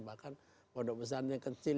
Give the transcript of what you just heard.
bahkan produk pesannya kecil